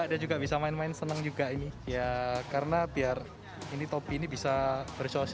ada juga bisa main main seneng juga ini ya karena biar ini topi ini bisa bersosiasi